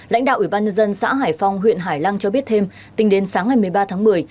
lãnh đạo ủy ban nhân dân xã hải phong huyện hải lăng cho biết thêm tính đến sáng ngày một mươi ba tháng một mươi